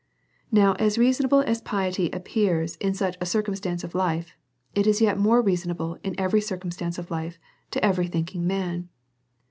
Now, as reasonable as piety appears in such a cir cumstance of life, it is yet more reasonable in every circumstance of life to every thinking man.